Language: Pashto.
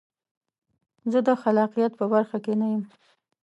زه د خلاقیت په برخه کې نه یم.